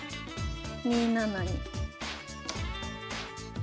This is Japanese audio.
２七に。